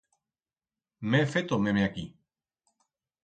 M'he feto meme aquí.